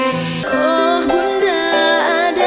suara kamu indah sekali